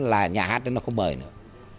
là nhà hát nó không mời nữa